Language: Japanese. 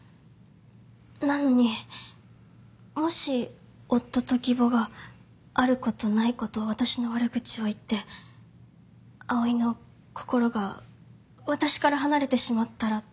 なのにもし夫と義母がある事ない事私の悪口を言って碧唯の心が私から離れてしまったらって。